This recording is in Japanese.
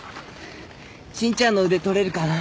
信ちゃんの腕取れるかな。